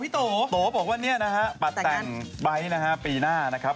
โตโตบอกว่าเนี่ยนะฮะปัดแต่งไบท์นะฮะปีหน้านะครับ